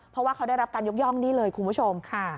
เพราะว่าเขาได้รับการยกย่องนี่เลยคุณผู้ชมค่ะ